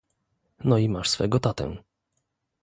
"No i masz swego tatę."